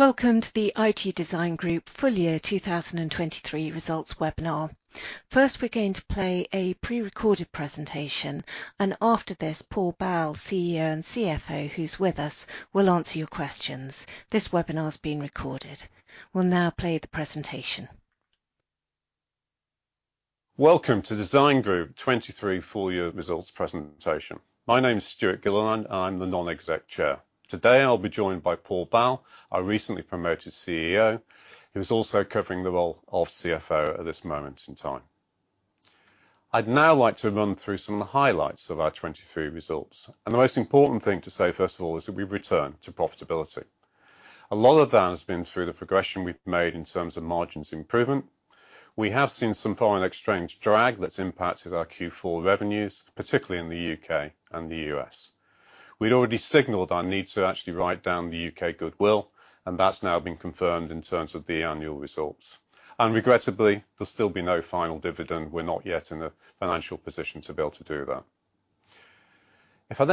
Welcome to the IG Design Group full year 2023 results webinar. First, we're going to play a pre-recorded presentation. After this, Paul Bal, CEO and CFO, who's with us, will answer your questions. This webinar is being recorded. We'll now play the presentation. Welcome to Design Group 2023 full year results presentation. My name is Stewart Gilliland. I'm the Non-Exec Chair. Today, I'll be joined by Paul Bal, our recently promoted CEO. He was also covering the role of CFO at this moment in time. I'd now like to run through some of the highlights of our 2023 results. The most important thing to say, first of all, is that we've returned to profitability. A lot of that has been through the progression we've made in terms of margins improvement. We have seen some foreign exchange drag that's impacted our Q4 revenues, particularly in the U.K. and the U.S. We'd already signaled our need to actually write down the U.K. goodwill, and that's now been confirmed in terms of the annual results. Regrettably, there'll still be no final dividend. We're not yet in a financial position to be able to do that.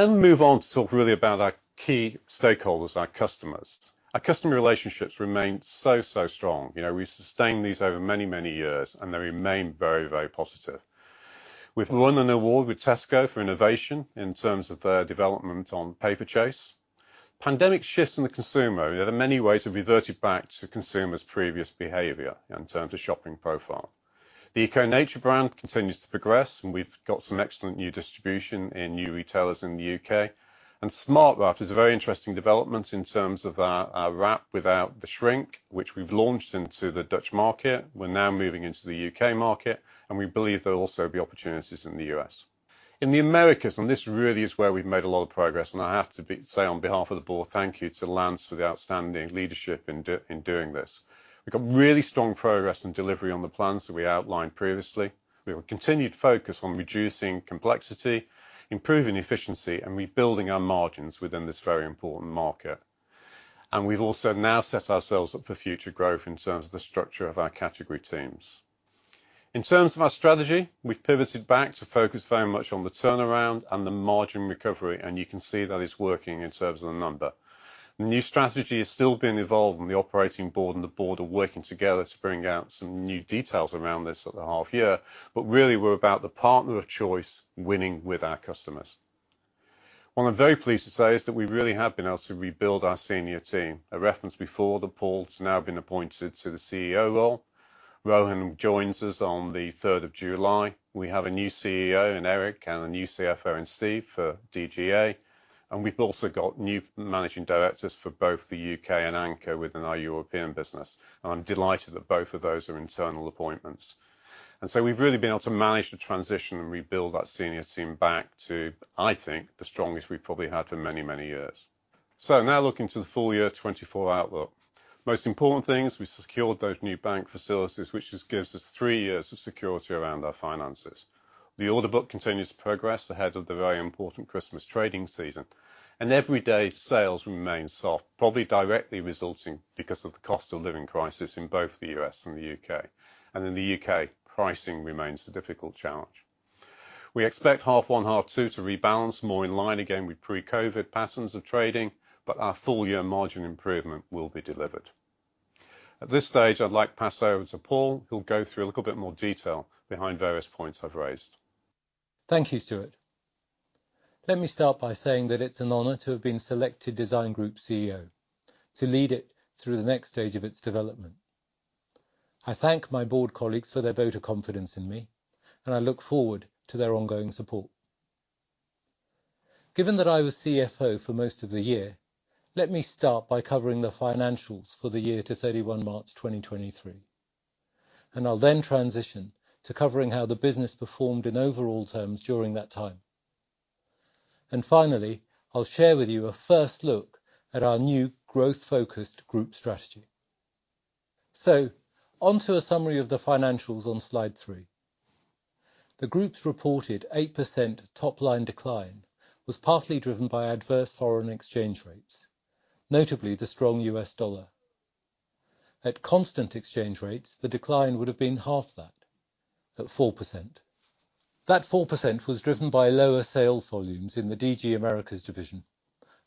Move on to talk really about our key stakeholders, our customers. Our customer relationships remain so strong. You know, we sustained these over many years, and they remain very positive. We've won an award with Tesco for innovation in terms of their development on Paperchase. Pandemic shifts in the consumer, in many ways, have reverted back to consumers' previous behavior in terms of shopping profile. The Eco Nature brand continues to progress, and we've got some excellent new distribution in new retailers in the U.K. SMARTWRAP™ is a very interesting development in terms of our wrap without the shrink, which we've launched into the Dutch market. We're now moving into the U.K. market, and we believe there'll also be opportunities in the U.S.. In the Americas, this really is where we've made a lot of progress, I have to say, on behalf of the board, thank you to Lance for the outstanding leadership in doing this. We've got really strong progress and delivery on the plans that we outlined previously. We have a continued focus on reducing complexity, improving efficiency, and rebuilding our margins within this very important market. We've also now set ourselves up for future growth in terms of the structure of our category teams. In terms of our strategy, we've pivoted back to focus very much on the turnaround and the margin recovery. You can see that it's working in terms of the number. The new strategy is still being evolved. The operating board and the board are working together to bring out some new details around this at the half year. Really, we're about the partner of choice, winning with our customers. What I'm very pleased to say is that we really have been able to rebuild our senior team. I referenced before that Paul has now been appointed to the CEO role. Rohan joins us on the 3rd of July. We have a new CEO in Eric and a new CFO in Steve for DGA, and we've also got new managing directors for both the U.K. and Anker within our European business, and I'm delighted that both of those are internal appointments. So we've really been able to manage the transition and rebuild that senior team back to, I think, the strongest we've probably had for many, many years. Now looking to the full year 2024 outlook. Most important thing is we secured those new bank facilities, which just gives us three years of security around our finances. The order book continues to progress ahead of the very important Christmas trading season. Everyday sales remain soft, probably directly resulting because of the cost of living crisis in both the U.S. and the U.K. In the U.K., pricing remains a difficult challenge. We expect half one, half two to rebalance more in line again with pre-COVID-19 patterns of trading. Our full-year margin improvement will be delivered. At this stage, I'd like to pass over to Paul, who'll go through a little bit more detail behind various points I've raised. Thank you, Stewart. Let me start by saying that it's an honor to have been selected Design Group CEO, to lead it through the next stage of its development. I thank my board colleagues for their vote of confidence in me, I look forward to their ongoing support. Given that I was CFO for most of the year, let me start by covering the financials for the year to 31 March 2023, I'll then transition to covering how the business performed in overall terms during that time. Finally, I'll share with you a first look at our new growth-focused group strategy. Onto a summary of the financials on slide 3. The group's reported 8% top-line decline was partly driven by adverse foreign exchange rates, notably the strong U.S. dollar. At constant exchange rates, the decline would have been half that, at 4%. That 4% was driven by lower sales volumes in the DG Americas division,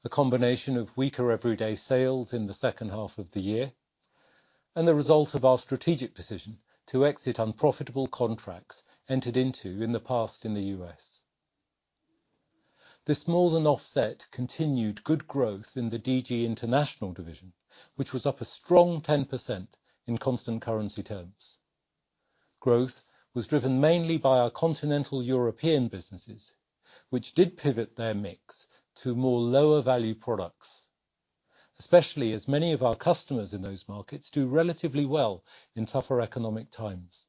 a combination of weaker everyday sales in the second half of the year and the result of our strategic decision to exit unprofitable contracts entered into in the past in the U.S. This more than offset continued good growth in the DG International division, which was up a strong 10% in constant currency terms. Growth was driven mainly by our continental European businesses, which did pivot their mix to more lower-value products, especially as many of our customers in those markets do relatively well in tougher economic times.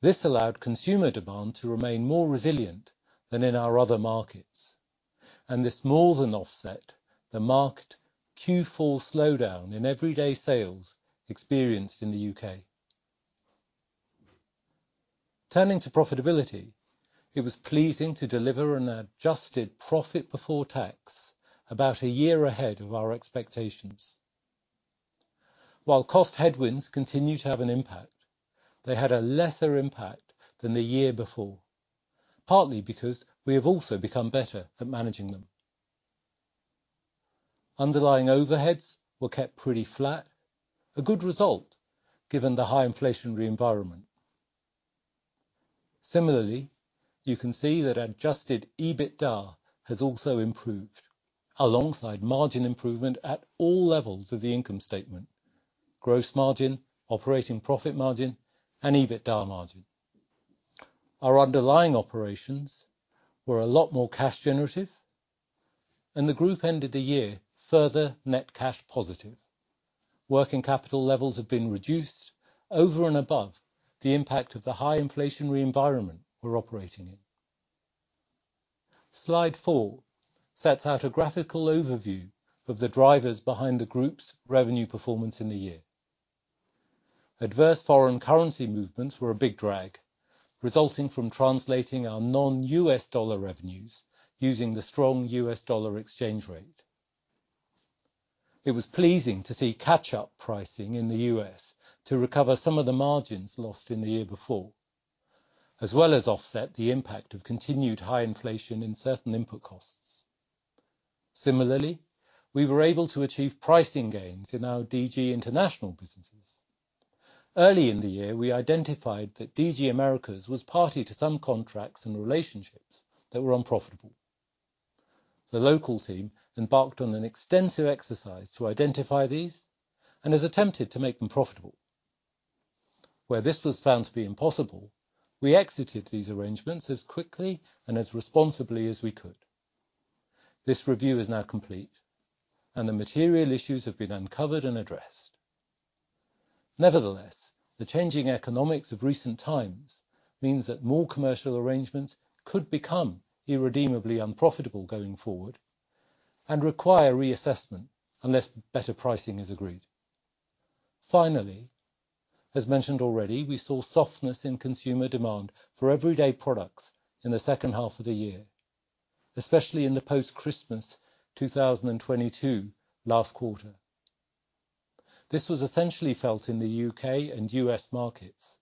This allowed consumer demand to remain more resilient than in our other markets, and this more than offset the marked Q4 slowdown in everyday sales experienced in the U.K.. Turning to profitability, it was pleasing to deliver an adjusted profit before tax about a year ahead of our expectations. While cost headwinds continue to have an impact, they had a lesser impact than the year before, partly because we have also become better at managing them. Underlying overheads were kept pretty flat, a good result given the high inflationary environment. Similarly, you can see that adjusted EBITDA has also improved, alongside margin improvement at all levels of the income statement: gross margin, operating profit margin, and EBITDA margin. Our underlying operations were a lot more cash generative, and the group ended the year further net cash positive. Working capital levels have been reduced over and above the impact of the high inflationary environment we're operating in. Slide four sets out a graphical overview of the drivers behind the group's revenue performance in the year. Adverse foreign currency movements were a big drag, resulting from translating our non-U.S. dollar revenues using the strong U.S. dollar exchange rate. It was pleasing to see catch-up pricing in the U.S. to recover some of the margins lost in the year before, as well as offset the impact of continued high inflation in certain input costs. Similarly, we were able to achieve pricing gains in our DG International businesses. Early in the year, we identified that DG Americas was party to some contracts and relationships that were unprofitable. The local team embarked on an extensive exercise to identify these and has attempted to make them profitable. Where this was found to be impossible, we exited these arrangements as quickly and as responsibly as we could. This review is now complete, and the material issues have been uncovered and addressed. Nevertheless, the changing economics of recent times means that more commercial arrangements could become irredeemably unprofitable going forward and require reassessment unless better pricing is agreed. As mentioned already, we saw softness in consumer demand for everyday products in the second half of the year, especially in the post-Christmas 2022 last quarter. This was essentially felt in the U.K. and U.S. markets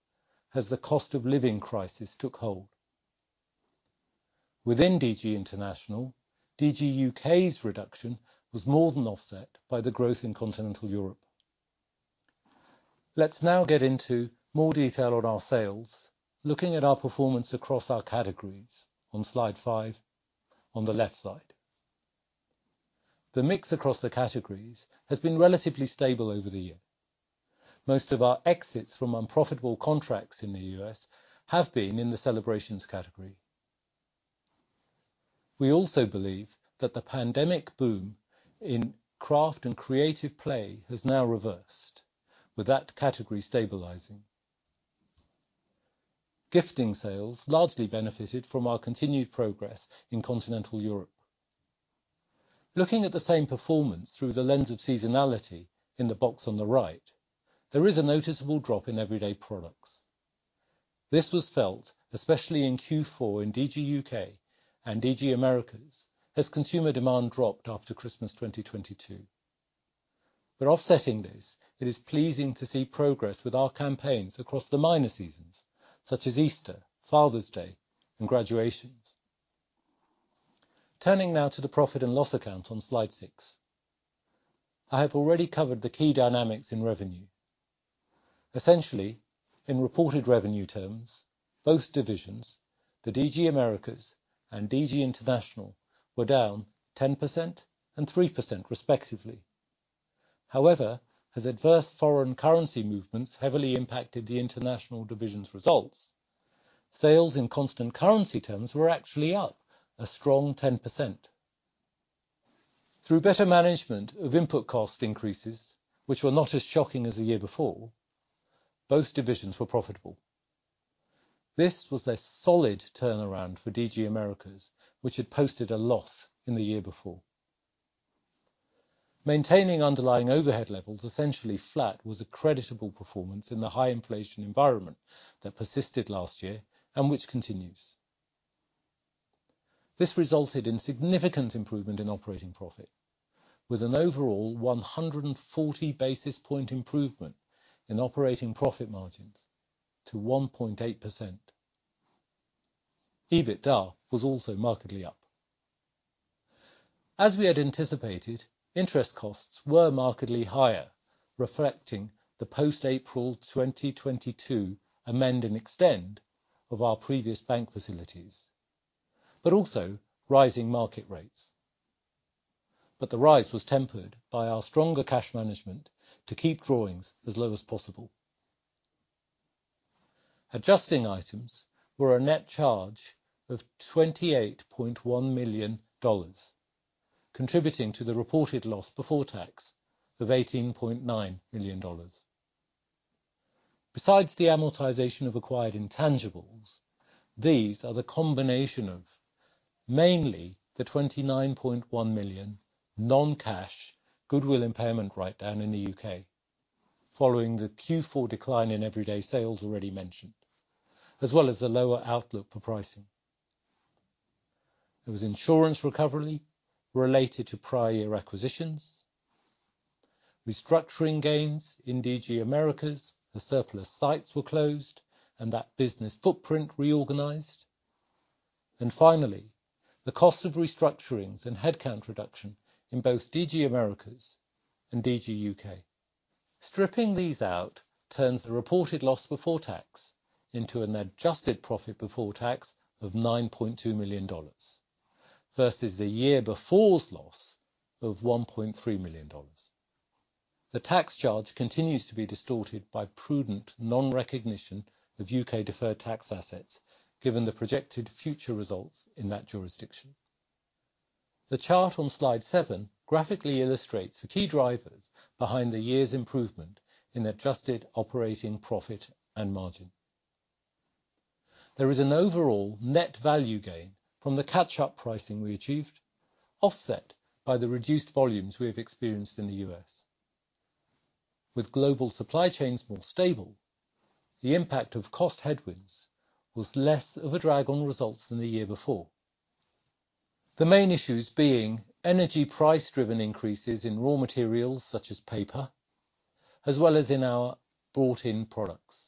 as the cost of living crisis took hold. Within DG International, DG U.K.'s reduction was more than offset by the growth in continental Europe. Let's now get into more detail on our sales, looking at our performance across our categories on slide five, on the left side. The mix across the categories has been relatively stable over the year. Most of our exits from unprofitable contracts in the U.S. have been in the celebrations category. We also believe that the pandemic boom in craft and creative play has now reversed, with that category stabilizing. Gifting sales largely benefited from our continued progress in continental Europe. Looking at the same performance through the lens of seasonality, in the box on the right, there is a noticeable drop in everyday products. This was felt especially in Q4 in DG U.K. and DG Americas, as consumer demand dropped after Christmas 2022. Offsetting this, it is pleasing to see progress with our campaigns across the minor seasons such as Easter, Father's Day, and graduations. Turning now to the profit and loss account on slide six. I have already covered the key dynamics in revenue. Essentially, in reported revenue terms, both divisions, the DG Americas and DG International, were down 10% and 3% respectively. However, as adverse foreign currency movements heavily impacted the international division's results, sales in constant currency terms were actually up a strong 10%. Through better management of input cost increases, which were not as shocking as the year before, both divisions were profitable. This was a solid turnaround for DG Americas, which had posted a loss in the year before. Maintaining underlying overhead levels, essentially flat, was a creditable performance in the high inflation environment that persisted last year and which continues. This resulted in significant improvement in operating profit, with an overall 140 basis point improvement in operating profit margins to 1.8%. EBITDA was also markedly up. As we had anticipated, interest costs were markedly higher, reflecting the post-April 2022 amend and extend of our previous bank facilities, but also rising market rates. The rise was tempered by our stronger cash management to keep drawings as low as possible. Adjusting items were a net charge of $28.1 million, contributing to the reported loss before tax of $18.9 million. Besides the amortization of acquired intangibles, these are the combination of mainly the $29.1 million non-cash goodwill impairment write-down in the U.K., following the Q4 decline in everyday sales already mentioned, as well as the lower outlook for pricing. There was insurance recovery related to prior year acquisitions, restructuring gains in DG Americas, as surplus sites were closed, and that business footprint reorganized. Finally, the cost of restructurings and headcount reduction in both DG Americas and DG U.K.. Stripping these out turns the reported loss before tax into an adjusted profit before tax of $9.2 million, versus the year before loss of $1.3 million. The tax charge continues to be distorted by prudent non-recognition of U.K. deferred tax assets, given the projected future results in that jurisdiction. The chart on slide seven graphically illustrates the key drivers behind the year's improvement in adjusted operating profit and margin. There is an overall net value gain from the catch-up pricing we achieved, offset by the reduced volumes we have experienced in the U.S.. With global supply chains more stable, the impact of cost headwinds was less of a drag on results than the year before. The main issues being energy price-driven increases in raw materials, such as paper, as well as in our brought-in products.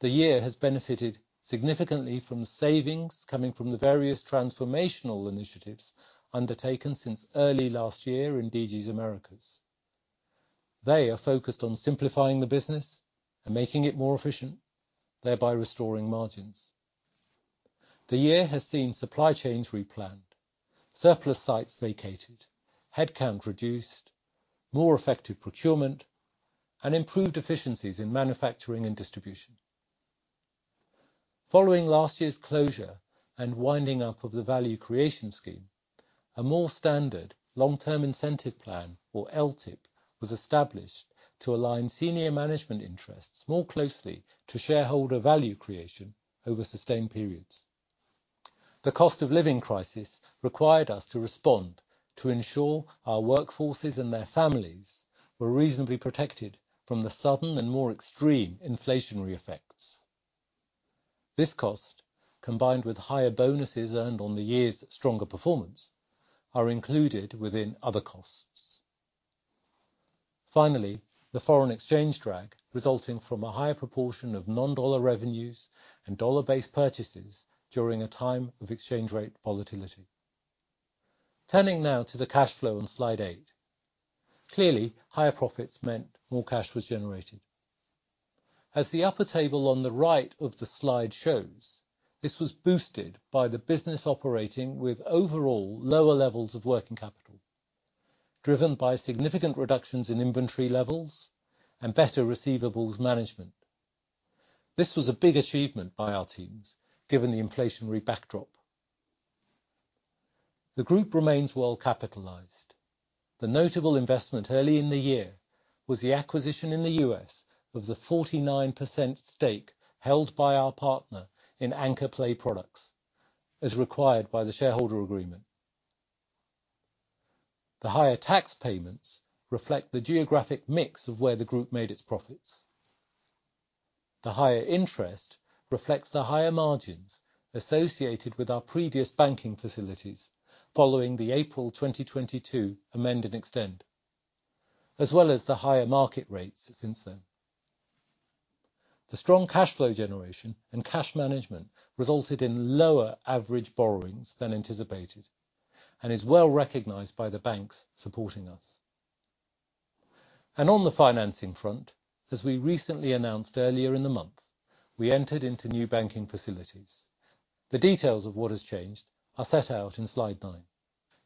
The year has benefited significantly from savings coming from the various transformational initiatives undertaken since early last year in DG Americas. They are focused on simplifying the business and making it more efficient, thereby restoring margins. The year has seen supply chains replanned, surplus sites vacated, headcount reduced, more effective procurement, and improved efficiencies in manufacturing and distribution. Following last year's closure and winding up of the value creation scheme, a more standard long-term incentive plan, or LTIP, was established to align senior management interests more closely to shareholder value creation over sustained periods. The cost of living crisis required us to respond to ensure our workforces and their families were reasonably protected from the sudden and more extreme inflationary effects. This cost, combined with higher bonuses earned on the year's stronger performance, are included within other costs. Finally, the foreign exchange drag, resulting from a higher proportion of non-dollar revenues and dollar-based purchases during a time of exchange rate volatility. Turning now to the cash flow on slide eight. Clearly, higher profits meant more cash was generated. As the upper table on the right of the slide shows, this was boosted by the business operating with overall lower levels of working capital, driven by significant reductions in inventory levels and better receivables management. This was a big achievement by our teams, given the inflationary backdrop. The group remains well capitalized. The notable investment early in the year was the acquisition in the U.S. of the 49% stake held by our partner in Anker Play Products, as required by the shareholder agreement. The higher tax payments reflect the geographic mix of where the group made its profits. The higher interest reflects the higher margins associated with our previous banking facilities, following the April 2022 amend and extend, as well as the higher market rates since then. The strong cash flow generation and cash management resulted in lower average borrowings than anticipated and is well recognized by the banks supporting us. On the financing front, as we recently announced earlier in the month, we entered into new banking facilities. The details of what has changed are set out in slide nne.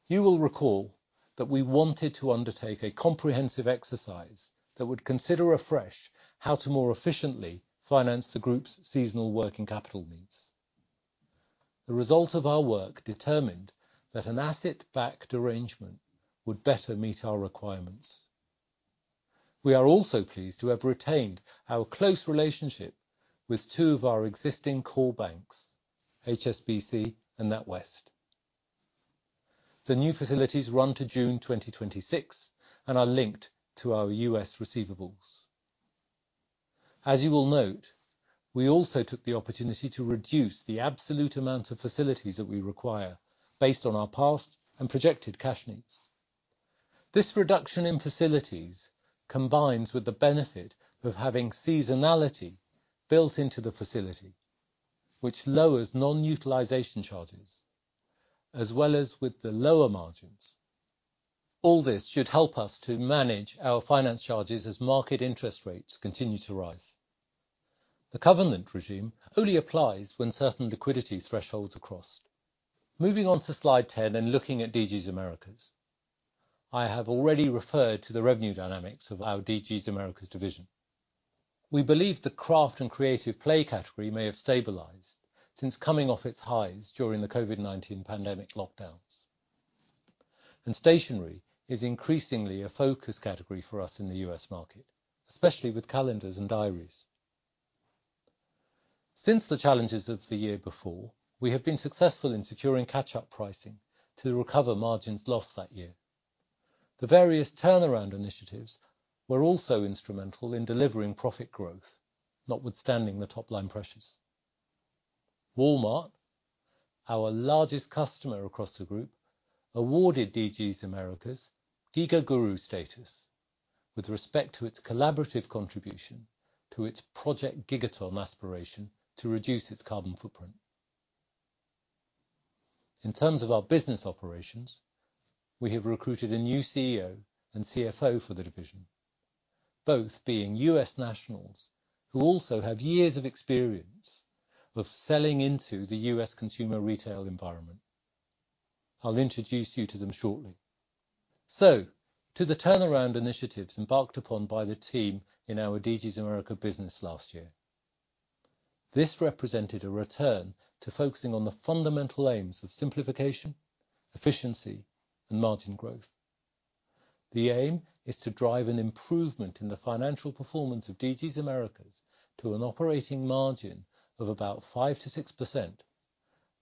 You will recall that we wanted to undertake a comprehensive exercise that would consider afresh how to more efficiently finance the group's seasonal working capital needs. The result of our work determined that an asset-backed arrangement would better meet our requirements. We are also pleased to have retained our close relationship with two of our existing core banks, HSBC and NatWest.The new facilities run to June 2026 and are linked to our U.S. receivables. As you will note, we also took the opportunity to reduce the absolute amount of facilities that we require based on our past and projected cash needs. This reduction in facilities combines with the benefit of having seasonality built into the facility, which lowers non-utilization charges, as well as with the lower margins. All this should help us to manage our finance charges as market interest rates continue to rise. The covenant regime only applies when certain liquidity thresholds are crossed. Moving on to slide 10 and looking at DG's Americas. I have already referred to the revenue dynamics of our DG's Americas division. We believe the craft and creative play category may have stabilized since coming off its highs during the COVID-19 pandemic lockdowns. Stationery is increasingly a focus category for us in the U.S. market, especially with calendars and diaries. Since the challenges of the year before, we have been successful in securing catch-up pricing to recover margins lost that year. The various turnaround initiatives were also instrumental in delivering profit growth, notwithstanding the top-line pressures. Walmart, our largest customer across the group, awarded DG Americas Giga Guru status with respect to its collaborative contribution to its Project Gigaton aspiration to reduce its carbon footprint. In terms of our business operations, we have recruited a new CEO and CFO for the division, both being U.S. nationals, who also have years of experience of selling into the U.S. consumer retail environment. I'll introduce you to them shortly. To the turnaround initiatives embarked upon by the team in our DG Americas business last year. This represented a return to focusing on the fundamental aims of simplification, efficiency, and margin growth. The aim is to drive an improvement in the financial performance of DG's Americas to an operating margin of about 5%-6%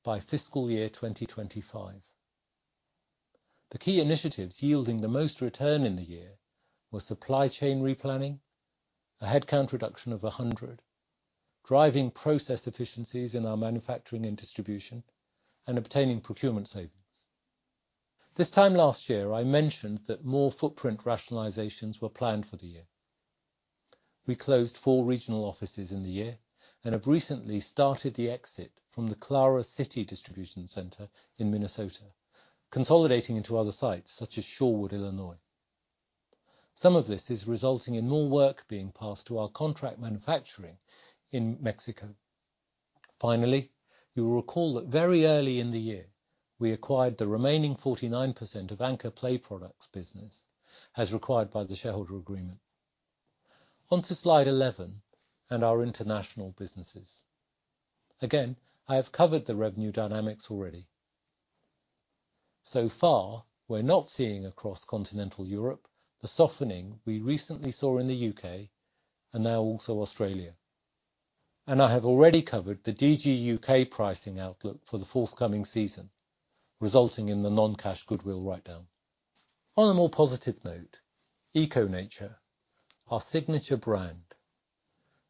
by fiscal year 2025. The key initiatives yielding the most return in the year were supply chain replanning, a headcount reduction of 100, driving process efficiencies in our manufacturing and distribution, and obtaining procurement savings. This time last year, I mentioned that more footprint rationalizations were planned for the year. We closed four regional offices in the year and have recently started the exit from the Clara City Distribution Center in Minnesota, consolidating into other sites such as Shorewood, Illinois. Some of this is resulting in more work being passed to our contract manufacturing in Mexico. You will recall that very early in the year, we acquired the remaining 49% of Anker Play Products business, as required by the shareholder agreement. On to Slide 11 and our international businesses. I have covered the revenue dynamics already. So far, we're not seeing across continental Europe, the softening we recently saw in the U.K., and now also Australia. I have already covered the DG U.K. pricing outlook for the forthcoming season, resulting in the non-cash goodwill write-down. On a more positive note, Eco Nature, our signature brand,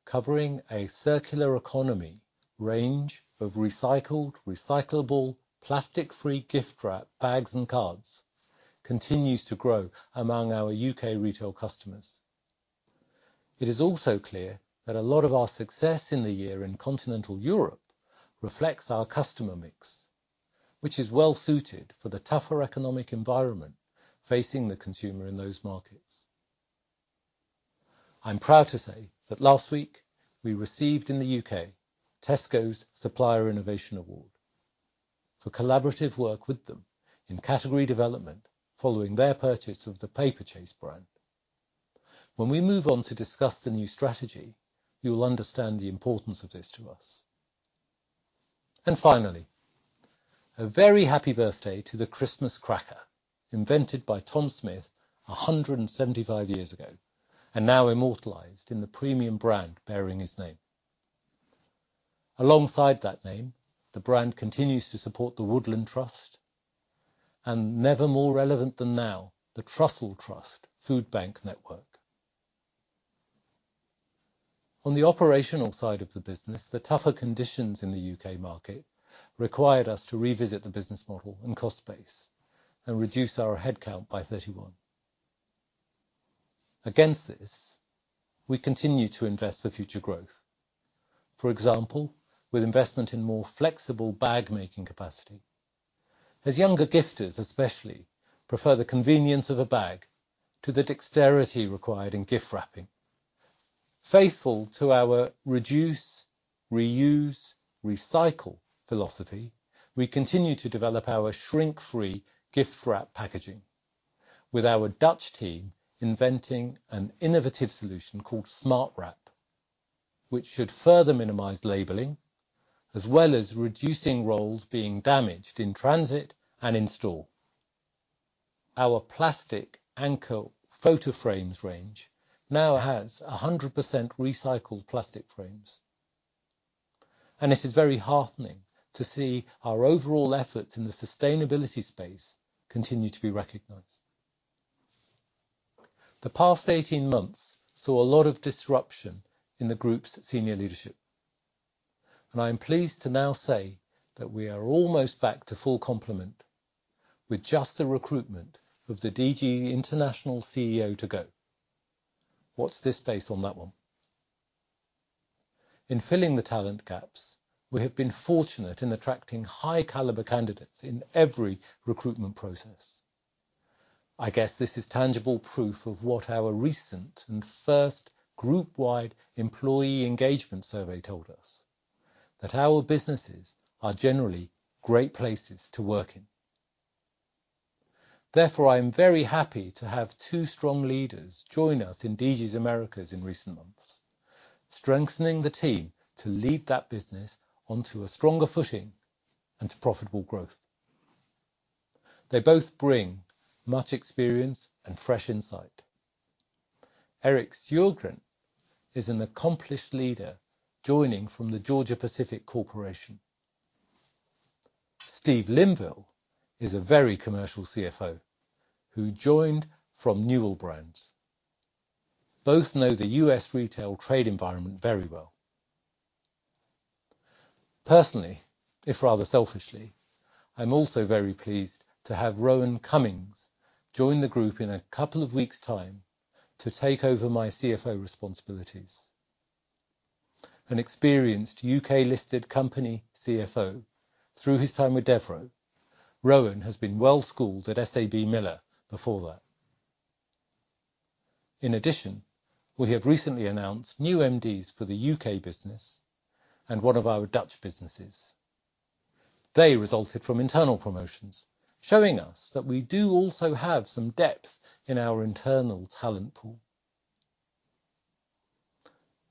covering a circular economy range of recycled, recyclable, plastic-free gift wrap, bags, and cards, continues to grow among our U.K. retail customers. It is also clear that a lot of our success in the year in continental Europe reflects our customer mix, which is well suited for the tougher economic environment facing the consumer in those markets. I'm proud to say that last week we received in the U.K., Tesco's Supplier Innovation Award for collaborative work with them in category development following their purchase of the Paperchase brand. When we move on to discuss the new strategy, you will understand the importance of this to us. Finally, a very happy birthday to the Christmas cracker, invented by Tom Smith 175 years ago, and now immortalized in the premium brand bearing his name. Alongside that name, the brand continues to support the Woodland Trust and never more relevant than now, the Trussell Trust Food Bank Network. On the operational side of the business, the tougher conditions in the U.K. market required us to revisit the business model and cost base and reduce our headcount by 31. Against this, we continue to invest for future growth. For example, with investment in more flexible bag-making capacity, as younger gifters, especially, prefer the convenience of a bag to the dexterity required in gift wrapping. Faithful to our reduce, reuse, recycle philosophy, we continue to develop our shrink-free gift wrap packaging, with our Dutch team inventing an innovative solution called SMARTWRAP, which should further minimize labeling, as well as reducing rolls being damaged in transit and in store. Our plastic Anchor photo frames range now has 100% recycled plastic frames, and it is very heartening to see our overall efforts in the sustainability space continue to be recognized. The past 18 months saw a lot of disruption in the group's senior leadership, and I am pleased to now say that we are almost back to full complement with just the recruitment of the DG International CEO to go. Watch this space on that one. In filling the talent gaps, we have been fortunate in attracting high caliber candidates in every recruitment process. I guess this is tangible proof of what our recent and first group-wide employee engagement survey told us, that our businesses are generally great places to work in. Therefore, I am very happy to have two strong leaders join us in DG's Americas in recent months, strengthening the team to lead that business onto a stronger footing and to profitable growth. They both bring much experience and fresh insight. Erik Sjogren is an accomplished leader, joining from the Georgia-Pacific LLC. Steve Linville is a very commercial CFO who joined from Newell Brands. Both know the U.S. retail trade environment very well. Personally, if rather selfishly, I'm also very pleased to have Rohan Cummings join the group in a couple of weeks' time to take over my CFO responsibilities. An experienced U.K. listed company CFO through his time with Devro, Rohan has been well-schooled at SABMiller before that. We have recently announced new MDs for the U.K. business and one of our Dutch businesses. They resulted from internal promotions, showing us that we do also have some depth in our internal talent pool.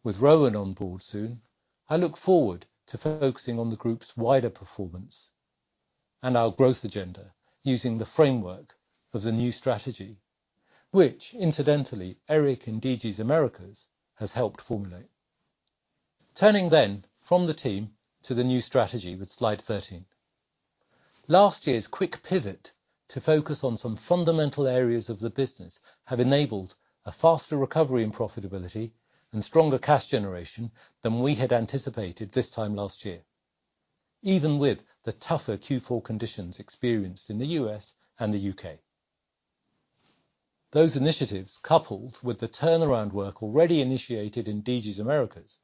With Rohan on board soon, I look forward to focusing on the group's wider performance and our growth agenda using the framework of the new strategy, which incidentally, Eric in DG's Americas has helped formulate. Turning from the team to the new strategy with slide 13. Last year's quick pivot to focus on some fundamental areas of the business have enabled a faster recovery and profitability and stronger cash generation than we had anticipated this time last year, even with the tougher Q4 conditions experienced in the U.S. and the U.K. Those initiatives, coupled with the turnaround work already initiated in DG Americas,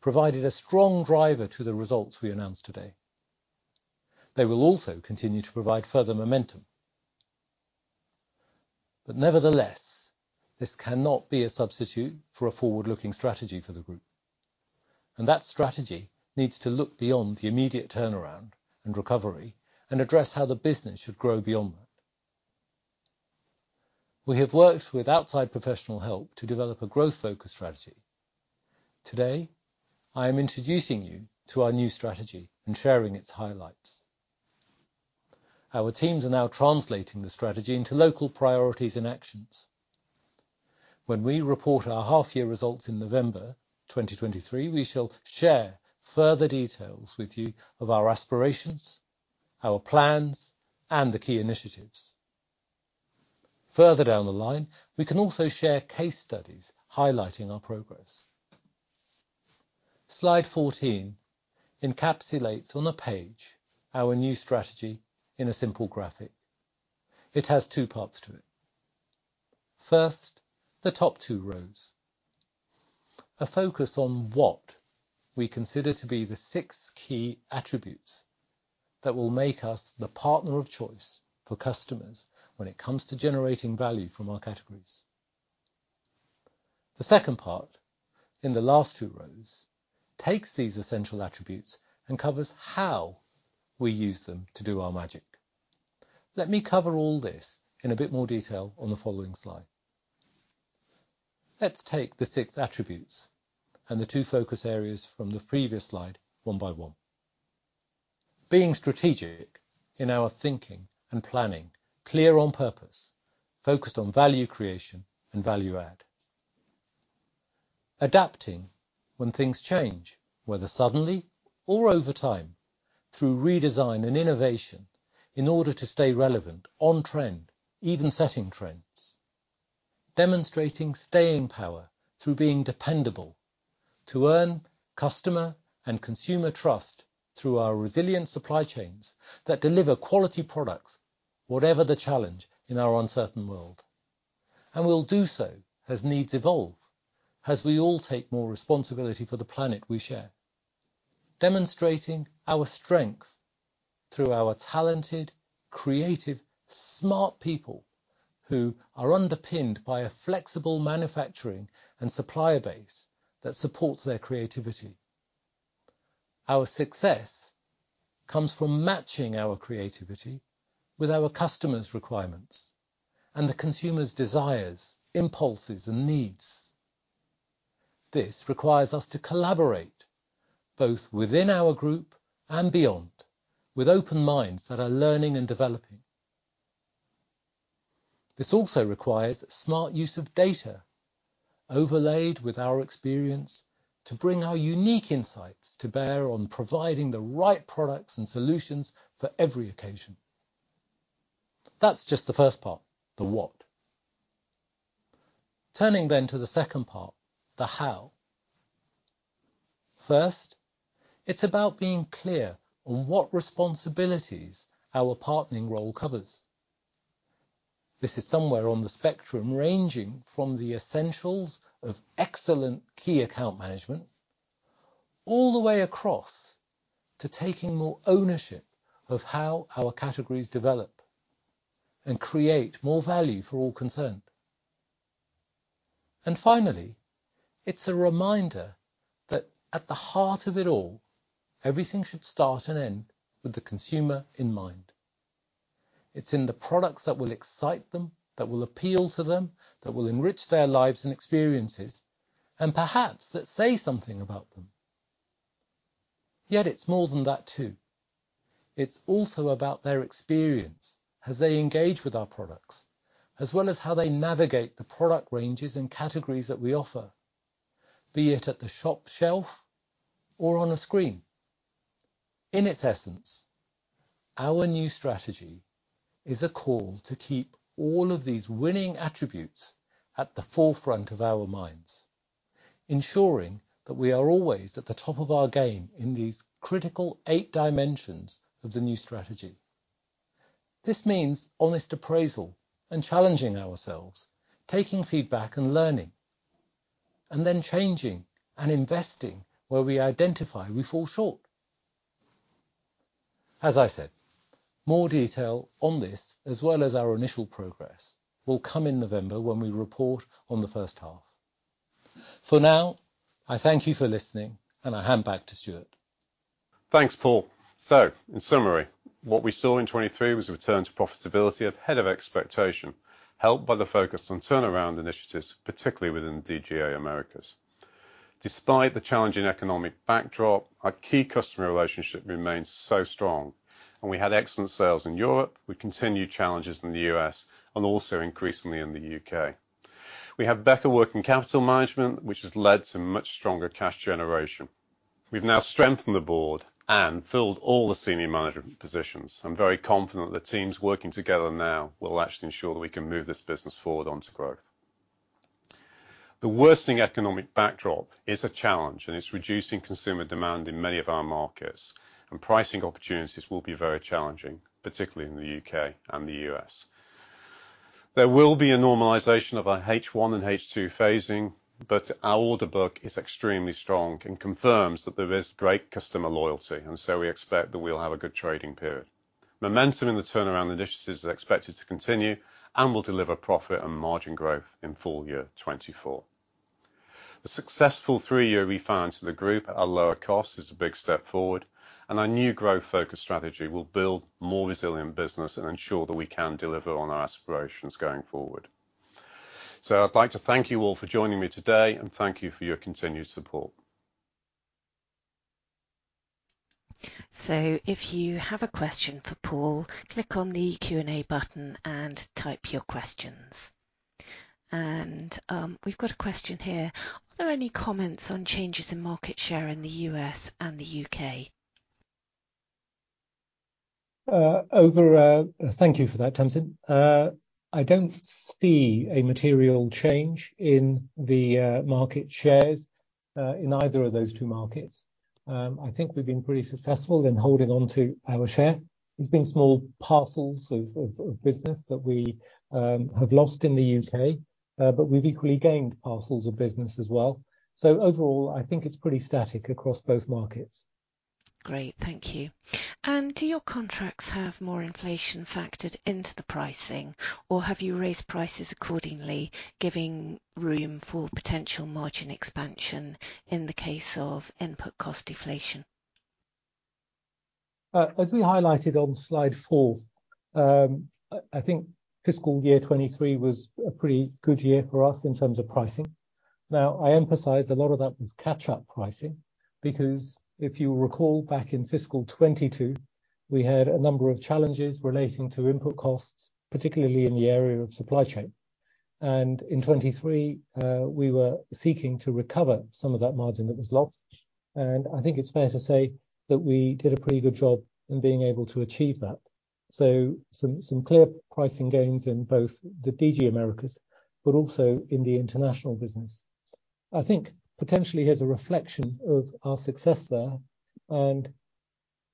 provided a strong driver to the results we announced today. They will also continue to provide further momentum. Nevertheless, this cannot be a substitute for a forward-looking strategy for the group, and that strategy needs to look beyond the immediate turnaround and recovery and address how the business should grow beyond that. We have worked with outside professional help to develop a growth-focused strategy. Today, I am introducing you to our new strategy and sharing its highlights. Our teams are now translating the strategy into local priorities and actions. When we report our half-year results in November 2023, we shall share further details with you of our aspirations, our plans, and the key initiatives. Further down the line, we can also share case studies highlighting our progress. Slide 14 encapsulates on a page our new strategy in a simple graphic. It has two parts to it. First, the top two rows. A focus on what we consider to be the six key attributes that will make us the partner of choice for customers when it comes to generating value from our categories. The second part, in the last two rows, takes these essential attributes and covers how we use them to do our magic. Let me cover all this in a bit more detail on the following slide. Let's take the six attributes and the two focus areas from the previous slide, one by one. Being strategic in our thinking and planning, clear on purpose, focused on value creation and value add. Adapting when things change, whether suddenly or over time, through redesign and innovation, in order to stay relevant, on trend, even setting trends. Demonstrating staying power through being dependable, to earn customer and consumer trust through our resilient supply chains that deliver quality products, whatever the challenge in our uncertain world. We'll do so as needs evolve, as we all take more responsibility for the planet we share. Demonstrating our strength through our talented, creative, smart people who are underpinned by a flexible manufacturing and supplier base that supports their creativity. Our success comes from matching our creativity with our customers' requirements and the consumer's desires, impulses, and needs. This requires us to collaborate both within our group and beyond, with open minds that are learning and developing. This also requires smart use of data, overlaid with our experience, to bring our unique insights to bear on providing the right products and solutions for every occasion. That's just the first part, the what. Turning then to the second part, the how. First, it's about being clear on what responsibilities our partnering role covers. This is somewhere on the spectrum, ranging from the essentials of excellent key account management, all the way across to taking more ownership of how our categories develop and create more value for all concerned. Finally, it's a reminder that at the heart of it all, everything should start and end with the consumer in mind. It's in the products that will excite them, that will appeal to them, that will enrich their lives and experiences, and perhaps, that say something about them. It's more than that, too. It's also about their experience as they engage with our products, as well as how they navigate the product ranges and categories that we offer. be it at the shop shelf or on a screen. In its essence, our new strategy is a call to keep all of these winning attributes at the forefront of our minds, ensuring that we are always at the top of our game in these critical eight dimensions of the new strategy. This means honest appraisal and challenging ourselves, taking feedback and learning, then changing and investing where we identify we fall short. As I said, more detail on this, as well as our initial progress, will come in November when we report on the first half. For now, I thank you for listening, and I hand back to Stuart. Thanks, Paul. In summary, what we saw in 2023 was a return to profitability ahead of expectation, helped by the focus on turnaround initiatives, particularly within DG Americas. Despite the challenging economic backdrop, our key customer relationship remains so strong, and we had excellent sales in Europe. We continued challenges in the U.S. and also increasingly in the U.K. We have better working capital management, which has led to much stronger cash generation. We've now strengthened the board and filled all the senior management positions. I'm very confident the teams working together now will actually ensure that we can move this business forward onto growth. The worsening economic backdrop is a challenge, and it's reducing consumer demand in many of our markets, and pricing opportunities will be very challenging, particularly in the U.K. and the U.S. There will be a normalization of our H1 and H2 phasing, our order book is extremely strong and confirms that there is great customer loyalty, we expect that we'll have a good trading period. Momentum in the turnaround initiatives is expected to continue and will deliver profit and margin growth in full year 2024. The successful three-year refinance of the group at a lower cost is a big step forward, our new growth-focused strategy will build more resilient business and ensure that we can deliver on our aspirations going forward. I'd like to thank you all for joining me today and thank you for your continued support. If you have a question for Paul, click on the Q&A button and type your questions. We've got a question here, are there any comments on changes in market share in the U.S. and the U.K.? Thank you for that, Tamsin. I don't see a material change in the market shares in either of those two markets. I think we've been pretty successful in holding on to our share. There's been small parcels of business that we have lost in the U.K., but we've equally gained parcels of business as well. Overall, I think it's pretty static across both markets. Great. Thank you. Do your contracts have more inflation factored into the pricing, or have you raised prices accordingly, giving room for potential margin expansion in the case of input cost deflation? As we highlighted on slide four, I think fiscal year 23 was a pretty good year for us in terms of pricing. I emphasize a lot of that was catch-up pricing, because if you recall, back in fiscal 22, we had a number of challenges relating to input costs, particularly in the area of supply chain. In 23, we were seeking to recover some of that margin that was lost, and I think it's fair to say that we did a pretty good job in being able to achieve that. Some clear pricing gains in both the DG Americas, but also in the international business. I think potentially as a reflection of our success there, and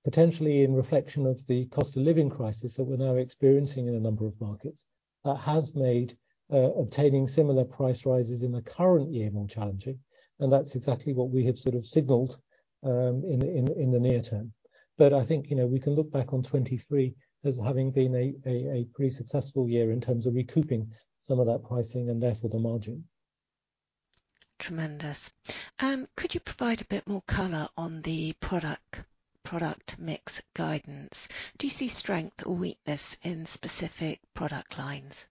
potentially in reflection of the cost of living crisis that we're now experiencing in a number of markets, that has made obtaining similar price rises in the current year more challenging, and that's exactly what we have sort of signaled in the near term. I think, you know, we can look back on 2023 as having been a pretty successful year in terms of recouping some of that pricing and therefore the margin. Tremendous. Could you provide a bit more color on the product mix guidance? Do you see strength or weakness in specific product lines?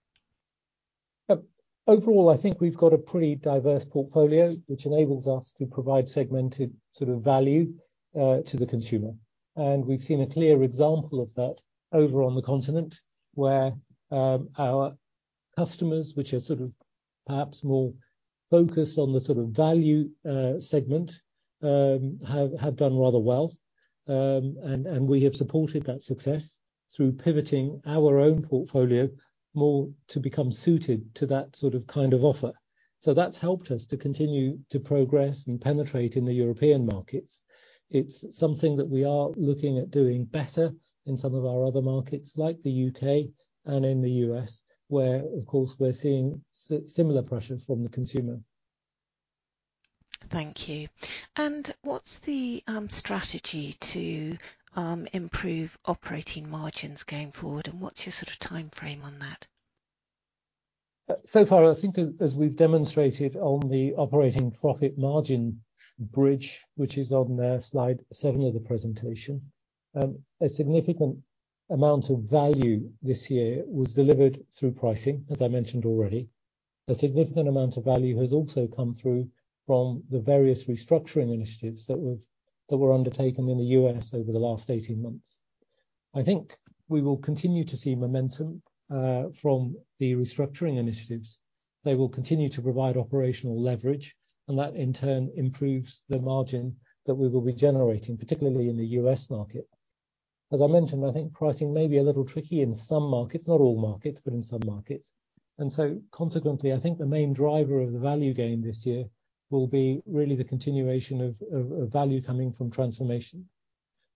Overall, I think we've got a pretty diverse portfolio, which enables us to provide segmented sort of value to the consumer. We've seen a clear example of that over on the continent, where our customers, which are sort of perhaps more focused on the sort of value segment, have done rather well. And we have supported that success through pivoting our own portfolio more to become suited to that sort of kind of offer. That's helped us to continue to progress and penetrate in the European markets. It's something that we are looking at doing better in some of our other markets, like the U.K. and in the U.S., where, of course, we're seeing similar pressure from the consumer. Thank you. What's the strategy to improve operating margins going forward, and what's your sort of timeframe on that? Far, I think as we've demonstrated on the operating profit margin bridge, which is on slide seven of the presentation, a significant amount of value this year was delivered through pricing, as I mentioned already. A significant amount of value has also come through from the various restructuring initiatives that were undertaken in the U.S. over the last 18 months. I think we will continue to see momentum from the restructuring initiatives. They will continue to provide operational leverage, and that, in turn, improves the margin that we will be generating, particularly in the US market. As I mentioned, I think pricing may be a little tricky in some markets, not all markets, but in some markets, consequently, I think the main driver of the value gain this year will be really the continuation of value coming from transformation.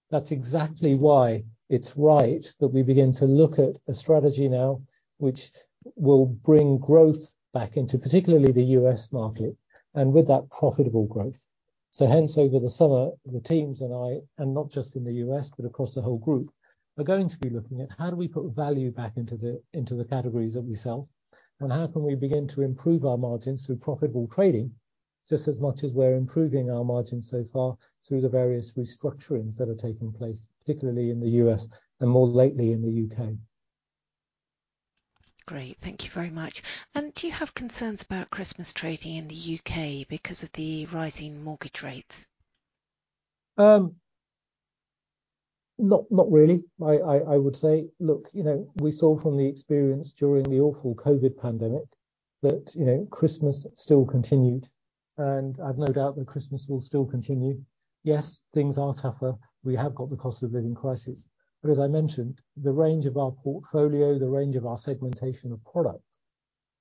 That's exactly why it's right that we begin to look at a strategy now which will bring growth back into particularly the U.S. market, and with that, profitable growth. Hence, over the summer, the teams and I, and not just in the U.S., but across the whole group, are going to be looking at how do we put value back into the categories that we sell, and how can we begin to improve our margins through profitable trading, just as much as we're improving our margins so far through the various restructurings that are taking place, particularly in the U.S. and more lately in the U.K. Great. Thank you very much. Do you have concerns about Christmas trading in the U.K. because of the rising mortgage rates? Not really. I would say, look, you know, we saw from the experience during the awful COVID pandemic that, you know, Christmas still continued, and I've no doubt that Christmas will still continue. Yes, things are tougher. We have got the cost of living crisis. As I mentioned, the range of our portfolio, the range of our segmentation of products,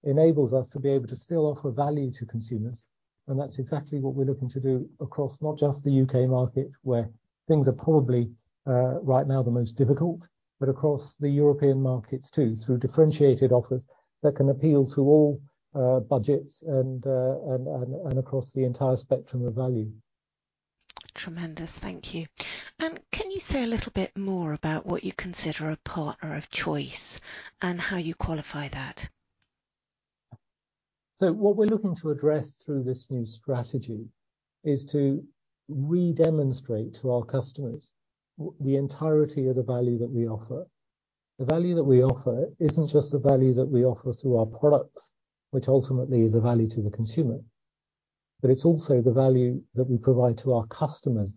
enables us to be able to still offer value to consumers, and that's exactly what we're looking to do across not just the U.K. market, where things are probably right now, the most difficult, but across the European markets, too, through differentiated offers that can appeal to all budgets and across the entire spectrum of value. Tremendous. Thank you. Can you say a little bit more about what you consider a partner of choice and how you qualify that? What we're looking to address through this new strategy is to redemonstrate to our customers the entirety of the value that we offer. The value that we offer isn't just the value that we offer through our products, which ultimately is a value to the consumer, but it's also the value that we provide to our customers,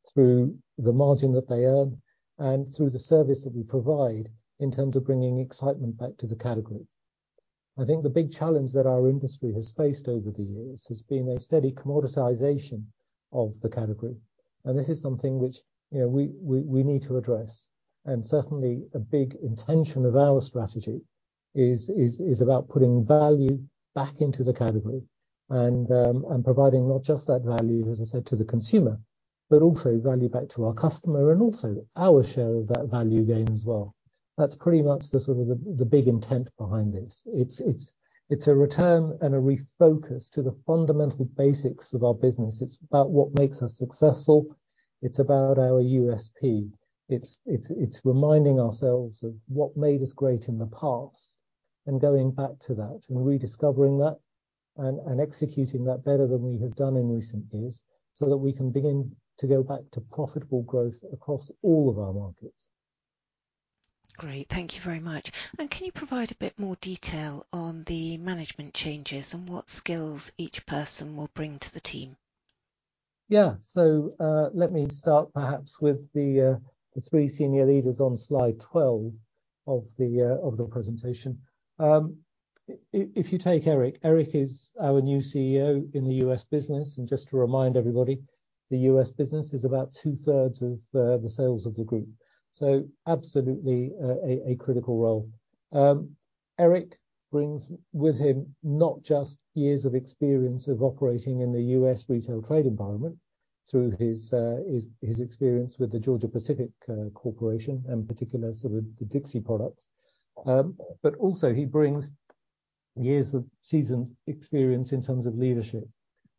the retailers, through the margin that they earn and through the service that we provide in terms of bringing excitement back to the category. The big challenge that our industry has faced over the years has been a steady commoditization of the category, and this is something which, you know, we need to address. Certainly, a big intention of our strategy is about putting value back into the category and providing not just that value, as I said to the consumer, but also value back to our customer and also our share of that value gain as well. That's pretty much the sort of the big intent behind this. It's a return and a refocus to the fundamental basics of our business. It's about what makes us successful. It's about our USP. It's reminding ourselves of what made us great in the past and going back to that and rediscovering that and executing that better than we have done in recent years, so that we can begin to go back to profitable growth across all of our markets. Great. Thank you very much. Can you provide a bit more detail on the management changes and what skills each person will bring to the team? Yeah. Let me start perhaps with the three senior leaders on slide 12 of the presentation. If you take Eric is our new CEO in the U.S. business, and just to remind everybody, the U.S. business is about two-thirds of the sales of the group, so absolutely a critical role. Eric brings with him not just years of experience of operating in the U.S. retail trade environment through his experience with the Georgia-Pacific Corporation and particular sort of the Dixie Products, but also he brings years of seasoned experience in terms of leadership.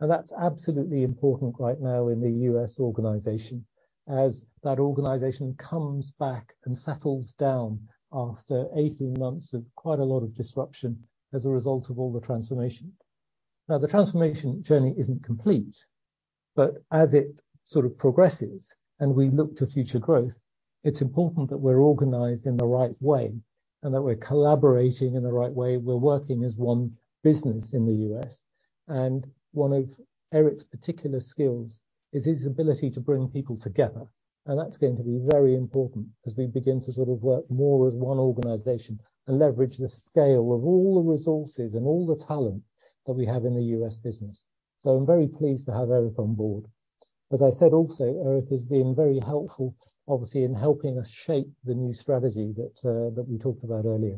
That's absolutely important right now in the U.S. organization, as that organization comes back and settles down after 18 months of quite a lot of disruption as a result of all the transformation. The transformation journey isn't complete, but as it sort of progresses and we look to future growth, it's important that we're organized in the right way and that we're collaborating in the right way. We're working as one business in the U.S., and one of Eric's particular skills is his ability to bring people together, and that's going to be very important as we begin to sort of work more as one organization and leverage the scale of all the resources and all the talent that we have in the U.S. business. I'm very pleased to have Eric on board. As I said also, Eric has been very helpful, obviously, in helping us shape the new strategy that we talked about earlier.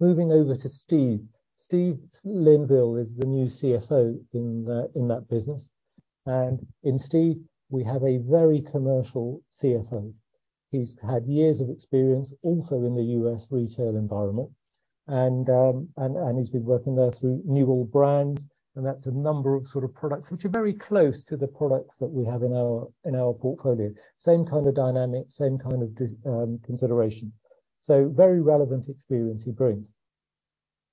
Moving over to Steve. Steve Linville is the new CFO in that business, and in Steve, we have a very commercial CFO. He's had years of experience, also in the U.S. retail environment, and he's been working there through Newell Brands, and that's a number of sort of products which are very close to the products that we have in our portfolio. Same kind of dynamic, same kind of consideration. Very relevant experience he brings.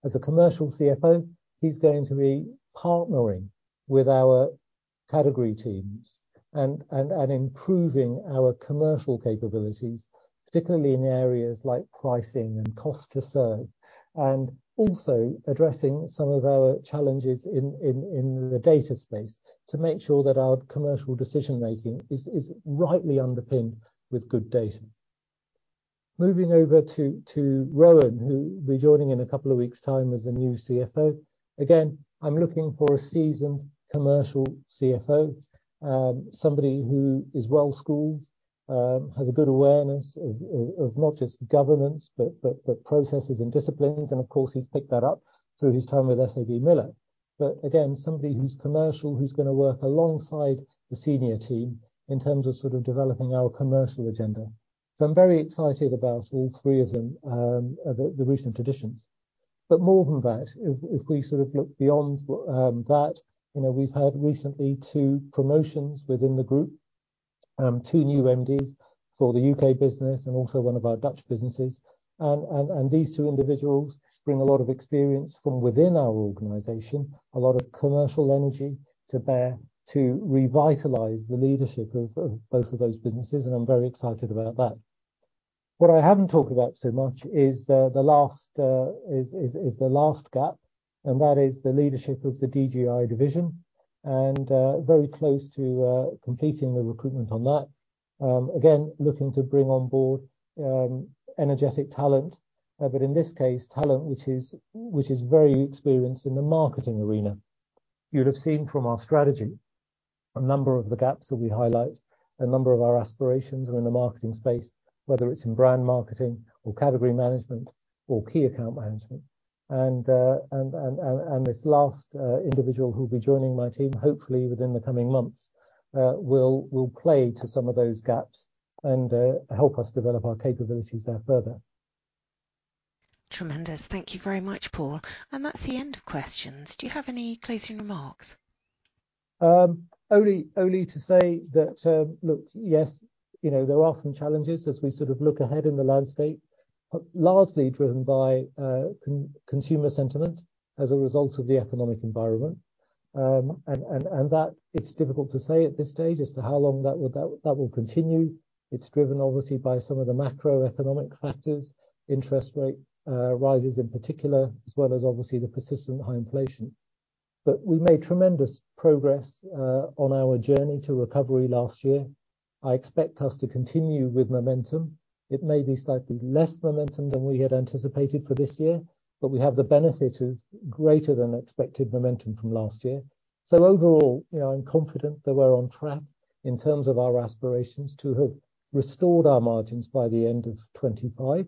As a commercial CFO, he's going to be partnering with our category teams and improving our commercial capabilities, particularly in areas like pricing and cost to serve, and also addressing some of our challenges in the data space to make sure that our commercial decision-making is rightly underpinned with good data. Moving over to Rohan, who will be joining in a couple of weeks' time as the new CFO. I'm looking for a seasoned commercial CFO, somebody who is well-schooled, has a good awareness of not just governance, but processes and disciplines, and of course, he's picked that up through his time with SABMiller. Somebody who's commercial, who's gonna work alongside the senior team in terms of sort of developing our commercial agenda. I'm very excited about all three of them, the recent additions. If we sort of look beyond that, you know, we've had recently two promotions within the group, two new MDs for the U.K. business and also one of our Dutch businesses. These two individuals bring a lot of experience from within our organization, a lot of commercial energy to bear, to revitalize the leadership of both of those businesses, and I'm very excited about that. What I haven't talked about so much is the last, is the last gap, and that is the leadership of the DGI division, and very close to completing the recruitment on that. Again, looking to bring on board energetic talent, but in this case, talent, which is very experienced in the marketing arena. You'd have seen from our strategy, a number of the gaps that we highlight, a number of our aspirations are in the marketing space, whether it's in brand marketing or category management or key account management. This last individual who'll be joining my team, hopefully within the coming months, will play to some of those gaps and help us develop our capabilities there further. Tremendous. Thank you very much, Paul. That's the end of questions. Do you have any closing remarks? Only to say that look, yes, you know, there are some challenges as we sort of look ahead in the landscape, but largely driven by consumer sentiment as a result of the economic environment. And that it's difficult to say at this stage as to how long that will continue. It's driven obviously, by some of the macroeconomic factors, interest rate rises in particular, as well as obviously the persistent high inflation. We made tremendous progress on our journey to recovery last year. I expect us to continue with momentum. It may be slightly less momentum than we had anticipated for this year, but we have the benefit of greater than expected momentum from last year. You know, I'm confident that we're on track in terms of our aspirations to have restored our margins by the end of 2025,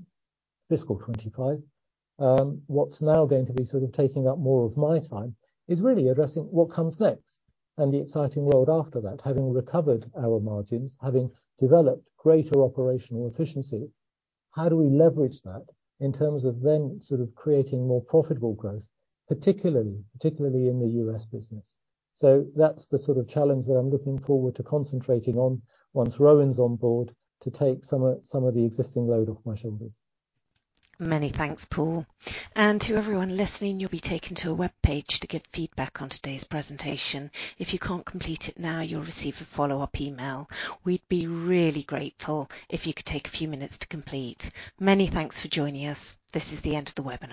fiscal 2025. What's now going to be sort of taking up more of my time is really addressing what comes next and the exciting world after that. Having recovered our margins, having developed greater operational efficiency, how do we leverage that in terms of then sort of creating more profitable growth, particularly in the U.S. business. That's the sort of challenge that I'm looking forward to concentrating on once Rohan's on board to take some of the existing load off my shoulders. Many thanks, Paul. To everyone listening, you'll be taken to a webpage to give feedback on today's presentation. If you can't complete it now, you'll receive a follow-up email. We'd be really grateful if you could take a few minutes to complete. Many thanks for joining us. This is the end of the webinar.